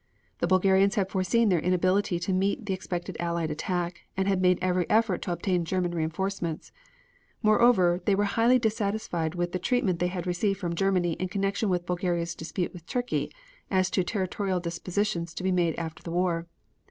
The Bulgarians had foreseen their inability to meet the expected Allied attack, and had made every effort to obtain German reinforcements. Moreover, they were highly dissatisfied with the treatment they had received from Germany in connection with Bulgaria's dispute with Turkey as to territorial dispositions to be made after the war.